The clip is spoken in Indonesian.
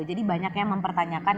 jadi banyak yang mempertanyakan